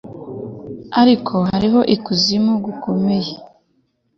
ariko hariho ikuzimu, gukomeye